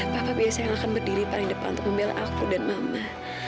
papa biasanya yang akan berdiri paling depan untuk membela aku dan mama